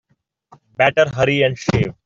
Better hurry and shave.